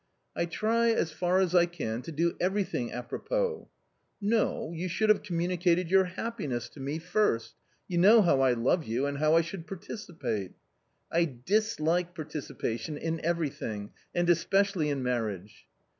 " I try as far as I can to do everything a propos." " No, you should have communicated your happiness to me first; you know how I love you and how I should participate ...."" I dislike participation in everything and especially in marriage."